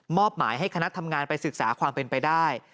หมายให้คณะทำงานไปศึกษาความเป็นไปได้